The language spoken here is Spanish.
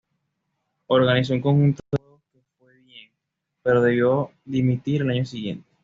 Organizó un conjunto de juegos que fue bien, pero debió dimitir al año siguiente.